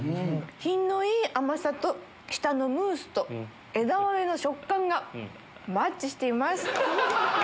品のいい甘さと下のムースと枝豆の食感がマッチしています。